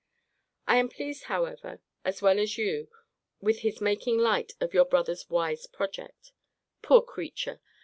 I am pleased, however, as well as you, with his making light of your brother's wise project. Poor creature!